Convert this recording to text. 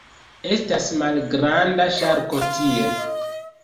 Estas malgranda ŝarko tie.